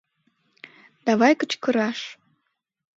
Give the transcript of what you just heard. Давай кычкыраш!